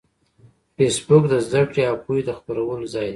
فېسبوک د زده کړې او پوهې د خپرولو ځای دی